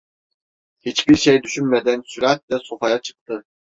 Hiçbir şey düşünmeden süratle sofaya çıktı.